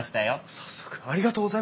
早速ありがとうございます！